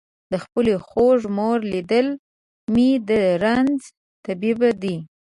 د خپلې خوږ مور لیدل مې د رنځ طبیب دی.